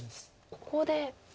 ここで。